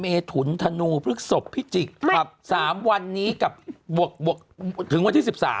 เมถุนธนูพฤกษพพิจิกภัพสามวันนี้กับถึงวันที่๑๓อ่ะ